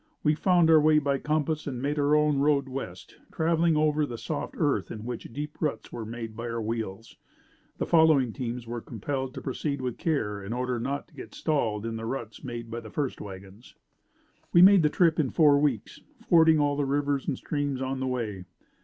We found our way by compass and made our own road west, traveling over the soft earth in which deep ruts were made by our wheels. The following teams were compelled to proceed with care in order not to get stalled in the ruts made by the first wagons. We made the trip in four weeks, fording all rivers and streams on the way.